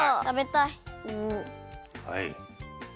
はい。